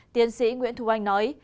tiến sĩ nguyễn thu anh nói